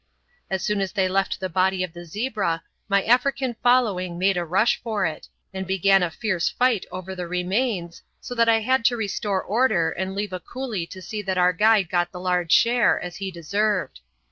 As soon as they left the body of the zebra, my African following made a rush for it, and began a fierce fight over the remains, so that I had to restore order and leave a coolie to see that our guide got the large share, as he deserved.